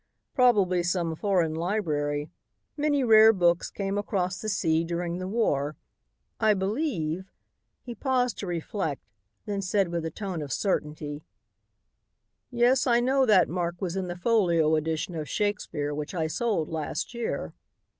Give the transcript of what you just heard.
Probably some foreign library. Many rare books came across the sea during the war. I believe " He paused to reflect, then said with a tone of certainty, "Yes, I know that mark was in the folio edition of Shakespeare which I sold last year."